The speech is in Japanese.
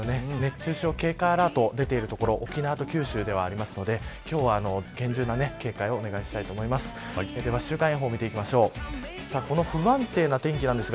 熱中症警戒アラート出ている所、沖縄と九州ではありますので今日は厳重な警戒をお願いしたいと思います。